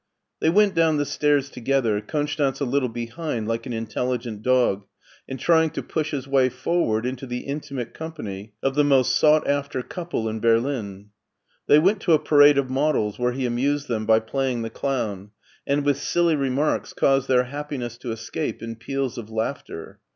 They went down the stairs together, Konstanz a little behind like an intelligent dog, and tfying to push his way forward into the intimate company of the most sought after couple in Berlin. They went to a parade of models where he amused them by playing the clown, and with silly remarks caused their happiness to escape in peals of laughter.